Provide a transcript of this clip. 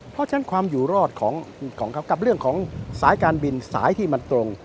เพราะฉะนั้นความอยู่รอดของเขากับเรื่องของสายการบินสายที่มันตรง